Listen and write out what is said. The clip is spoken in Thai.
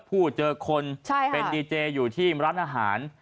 ผู้เจอคนเป็นดีเจอยู่ที่ร้านอาหาร